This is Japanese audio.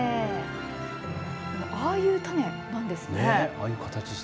ああいう種なんですね。